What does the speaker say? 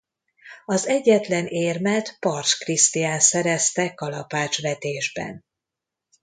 Az egyetlen érmet Pars Krisztián szerezte kalapácsvetésben.